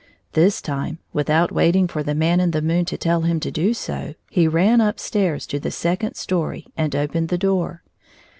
This time, without waiting for the Man in the moon to tell him to do so, he ran up stairs to the second story and opened the door.